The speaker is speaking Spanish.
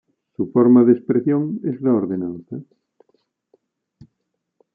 Su forma de expresión es la ordenanza.